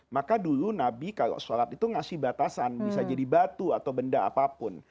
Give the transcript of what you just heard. maka dulu nabi kalau sholat itu ngasih batasan bisa jadi batu atau benda apapun